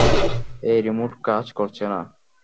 এই রিমোট কাজ করছে না।